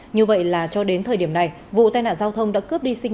như vậy là cho đến thời điểm này vụ tai nạn giao thông đã cướp đi sinh